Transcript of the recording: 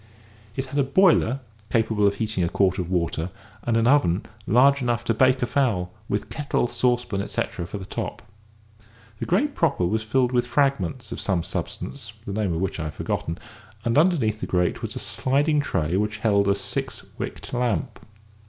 It had a boiler capable of heating a quart of water, and an oven large enough to bake a fowl, with kettle, saucepan, etcetera, for the top. The grate proper was filled with fragments of some substance, the name of which I have forgotten, and underneath the grate was a sliding tray which held a six wicked lamp.